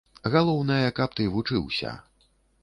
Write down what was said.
Галоўнае, каб ты вучыўся.